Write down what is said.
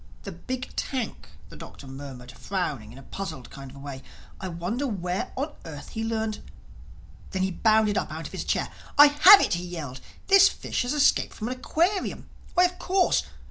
"The big tank!" the Doctor murmured frowning in a puzzled kind of way. "I wonder where on earth he learned—" Then he bounded up out of his chair. "I have it," he yelled, "this fish has escaped from an aquarium. Why, of course!